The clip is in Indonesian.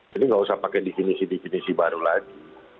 jadi tidak usah pakai definisi definisi baru lagi